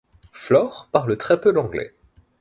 Flor parle très peu l'anglais.